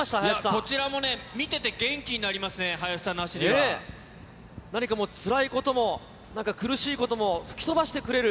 こちらもね、見てて元気になりますね、何かもう、つらいことも、なんか苦しいことも吹き飛ばしてくれる、